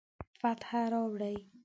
فتح راوړي